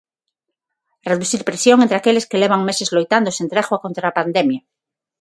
Reducir presión entre aqueles que levan meses loitando sen tregua contra a pandemia.